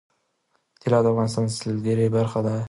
طلا د افغانستان د سیلګرۍ برخه ده.